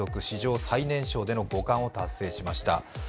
史上最年少での五冠を達成しました。